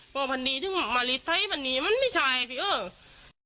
โปรดภัณฑ์นี้ตึงมาริทัยภัณฑ์นี้มันไม่ใช่เพียร์